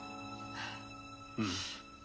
うん。